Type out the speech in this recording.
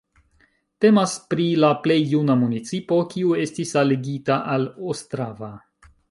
Temas pri la plej juna municipo, kiu estis aligita al Ostrava.